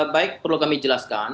baik perlu kami jelaskan